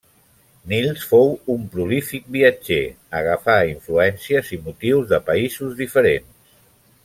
Nils fou un prolífic viatger; agafà influències i motius de països diferents.